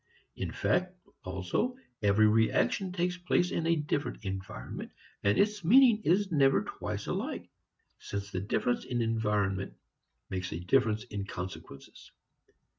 In fact, also, every reaction takes place in a different environment, and its meaning is never twice alike, since the difference in environment makes a difference in consequences.